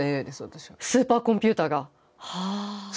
スーパーコンピューターが。はあ。